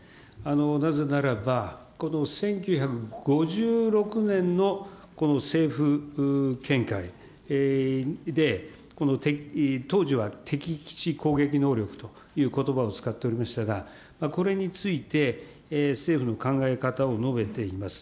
なぜならば、この１９５６年の、この政府見解で、当時は敵基地攻撃能力ということばを使っておりましたが、これについて、政府の考え方を述べています。